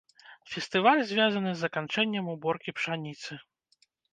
Фестываль звязаны з заканчэннем уборкі пшаніцы.